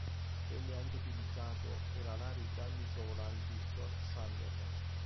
Venne anche utilizzato per alare i grandi idrovolanti Short Sunderland.